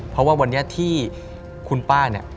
เพราะว่าวันนี้ที่คุณป้าเนี่ย